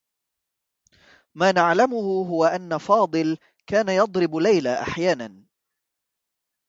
ما نعلمه هو أنّ فاضل كان يضرب ليلى أحيانا.